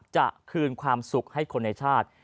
จะคืนความสุขให้คนในชาติ